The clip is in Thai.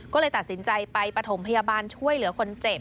ก็เลยตัดสินใจไปปฐมพยาบาลช่วยเหลือคนเจ็บ